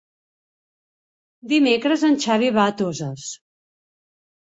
Dimecres en Xavi va a Toses.